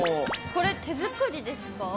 これ、手作りですか？